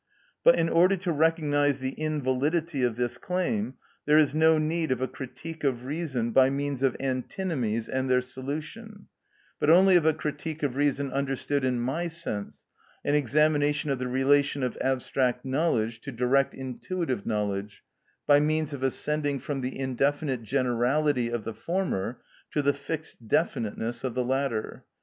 But, in order to recognise the invalidity of this claim, there is no need of a critique of reason by means of antinomies and their solution, but only of a critique of reason understood in my sense, an examination of the relation of abstract knowledge to direct intuitive knowledge, by means of ascending from the indefinite generality of the former to the fixed definiteness of the latter.